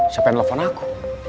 siapa yang nelfon aku